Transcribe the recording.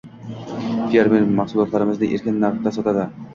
Fermer: “Mahsulotlarimizni erkin narxlarda sotamiz”